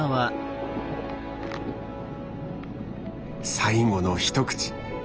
最後の一口。